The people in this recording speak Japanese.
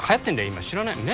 今知らないの？